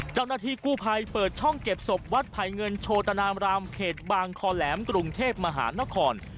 เจ้าหน้าที่กู้ภัยเปิดช่องเก็บศพวัดไผ่เงินโชตนามรามเขตบางคอแหลมกรุงเทพมหานคร